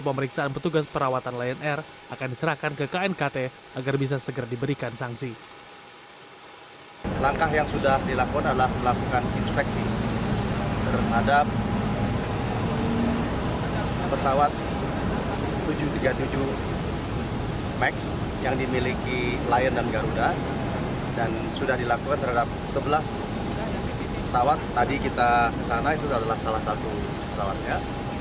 pesawat tadi kita kesana itu adalah salah satu pesawatnya